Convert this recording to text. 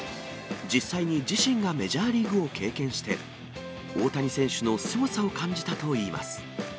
実際に自身がメジャーリーグを経験して、大谷選手のすごさを感じたといいます。